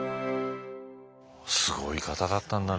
すごい方だったんだねえうん。